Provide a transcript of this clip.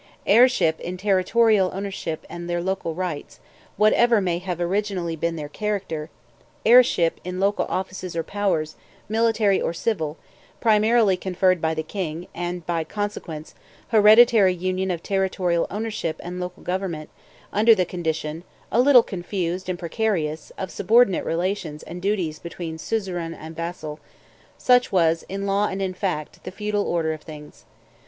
Heirship in territorial ownerships and their local rights, whatever may have originally been their character; heirship in local offices or powers, military or civil, primarily conferred by the king; and, by consequence, hereditary union of territorial ownership and local government, under the condition, a little confused and precarious, of subordinated relations and duties between suzerain and vassal such was, in law and in fact, the feudal order of things.